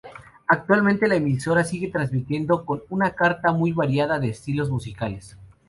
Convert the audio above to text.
Actualmente, la emisora sigue transmitiendo, con una carta muy variada de estilos musicales.